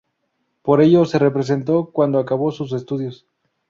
Por ello se representó cuando acabó sus estudios.